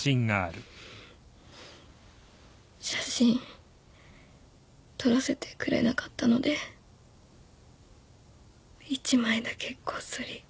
写真撮らせてくれなかったので１枚だけこっそり。